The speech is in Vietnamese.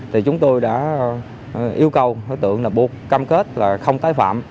thì chúng tôi đã yêu cầu đối tượng là buộc cam kết là không tái phạm